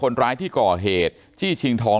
คนร้ายที่ก่อเหตุจี้ชิงทอง